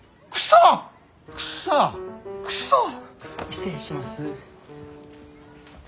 失礼します。